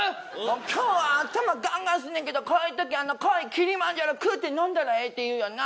今日は頭ガンガンすんねんけどこういう時濃いキリマンジャロクッて飲んだらええって言うよな。